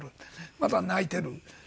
まだ泣いている。